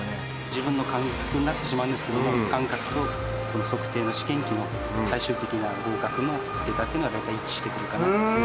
自分の感覚になってしまうんですけども感覚と測定の試験機の最終的な合格のデータっていうのは大体一致してくるかなって。